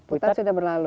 puntat sudah berlalu